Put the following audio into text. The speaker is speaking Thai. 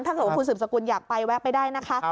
ถ้าเกิดว่าคุณสืบสกุลอยากไปแวะไปได้นะคะ